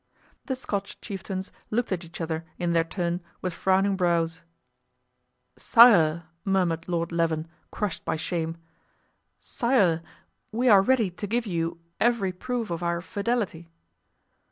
The Scotch chieftains looked at each other in their turn with frowning brows. "Sire," murmured Lord Leven, crushed by shame, "sire, we are ready to give you every proof of our fidelity."